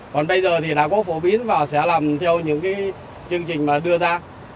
còn bây giờ thì nó có phổ biến và sẽ làm theo những cái chương trình mà đưa ra